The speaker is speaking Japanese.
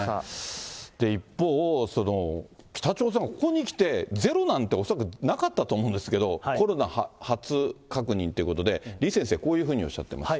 一方、北朝鮮はここにきて、ゼロなんて恐らくなかったと思うんですけど、コロナ初確認ということで、李先生、こういうふうにおっしゃってます。